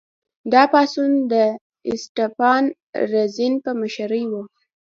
دا پاڅون د اسټپان رزین په مشرۍ و.